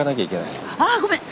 あっごめん！